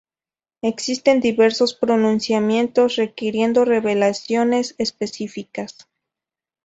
Existen diversos pronunciamientos requiriendo revelaciones específicas.